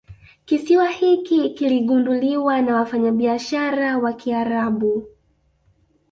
Kisiwa hiki kiligunduliwa na wafanyabiashara wa kiarabu